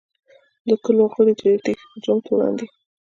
د کلو غړي چې د تېښتې په جرم تورن دي.